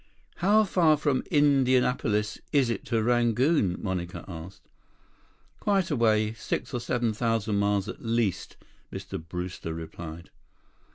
"How far from Indianapolis is it to Rangoon?" Monica asked. "Quite a way. Six or seven thousand miles at least," Mr. Brewster replied.